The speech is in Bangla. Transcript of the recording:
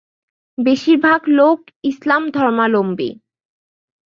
বেশির ভাগ লোক ইসলাম ধর্মাবলম্বী।